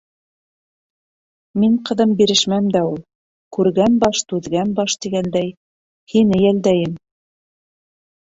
Мин, ҡыҙым, бирешмәм дә ул. Күргән баш - түҙгән баш, тигәндәй, һине йәлдәйем...